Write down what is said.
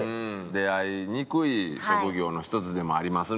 出会いにくい職業の一つでもありますので。